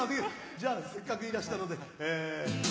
じゃあせっかくいらしたので。